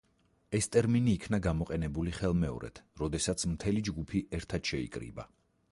ეს ტერმინი იქნა გამოყენებული ხელმეორედ, როდესაც მთელი ჯგუფი ერთად შეიკრიბა.